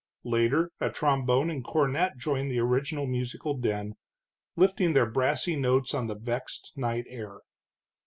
Later a trombone and cornet joined the original musical din, lifting their brassy notes on the vexed night air.